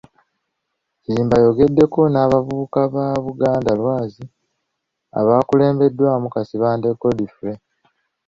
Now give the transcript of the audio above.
Kiyimba ayogedeko n'abavubuka ba ‘Buganda Lwazi,' abakulembeddwamu Kasibante Godfrey.